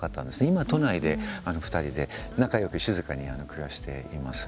今、都内で２人で仲よく静かに暮らしています。